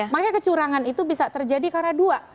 makanya kecurangan itu bisa terjadi karena dua